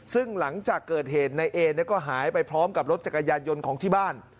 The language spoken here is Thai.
ซึ่งหลังจากเกิดเหตุนายเอก็หายไปพร้อมกับรถจักรยานยนต์ของที่บ้าน